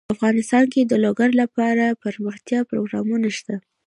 افغانستان کې د لوگر لپاره دپرمختیا پروګرامونه شته.